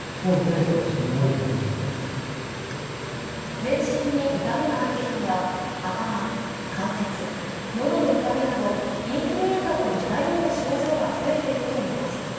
全身に痛みがある人や頭、関節、喉の痛みなどインフルエンザと似たような症状が増えているといいます。